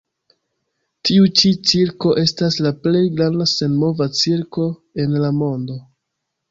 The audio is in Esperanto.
Tiu ĉi cirko estas la plej granda senmova cirko en la mondo.